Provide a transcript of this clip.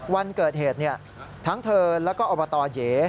วันเกิดเหตุทั้งเธอแล้วก็อบตเหย